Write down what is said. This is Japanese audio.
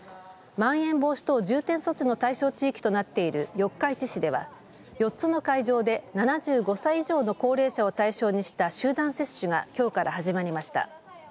まん延防止等重点措置の対象地域となっている四日市市では４つの会場で７５歳以上の高齢者を対象にした集団接種がきょうから始まりました。